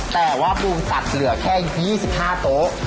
แต่ว่าปูสัตว์เหลือแค่๒๕โต๊ะ